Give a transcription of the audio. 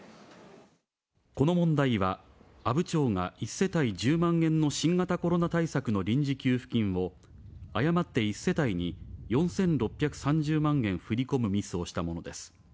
この問題は阿武町が１世帯１０万円の新型コロナ対策の臨時給付金を、誤って１世帯に４６３０万円振り込むミスをしたものです。